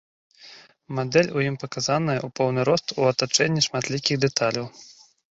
Мадэль у ім паказаная ў поўны рост у атачэнні шматлікіх дэталяў.